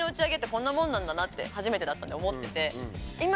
なんだなって初めてだったんで思ってて。